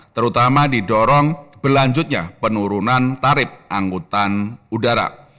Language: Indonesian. terutama didorong berlanjutnya penurunan tarif angkutan udara